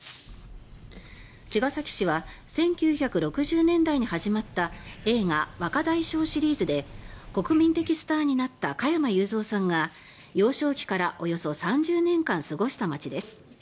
茅ヶ崎市は１９６０年代に始まった映画「若大将シリーズ」で国民的スターになった加山雄三さんが幼少期からおよそ３０年間過ごした街です。